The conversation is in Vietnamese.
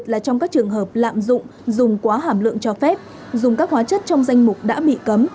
trường hợp lạm dụng dùng quá hàm lượng cho phép dùng các hóa chất trong danh mục đã bị cấm